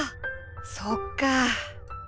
そっか。